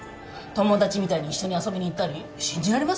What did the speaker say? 友達みたいに一緒に遊びに行ったり信じられます？